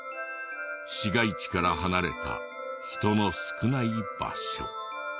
市街地から離れた人の少ない場所。